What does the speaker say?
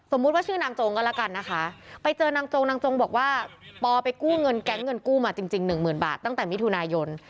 ว่าชื่อนางจงก็แล้วกันนะคะไปเจอนางจงนางจงบอกว่าปอไปกู้เงินแก๊งเงินกู้มาจริงหนึ่งหมื่นบาทตั้งแต่มิถุนายน